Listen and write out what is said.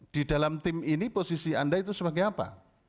di dalam tim ini posisi anda itu sebagai apa